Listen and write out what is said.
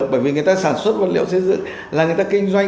bởi vì người ta sản xuất vật liệu xây dựng là người ta kinh doanh